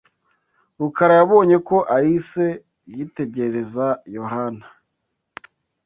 Rukara yabonye ko Alice yitegereza Yohana.